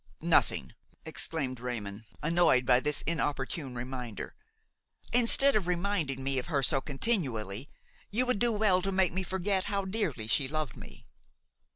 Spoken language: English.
"Nothing!" exclaimed Raymon, annoyed by this inopportune reminder. "Instead of reminding me of her so continually, you would do well to make me forget how dearly she loved me!"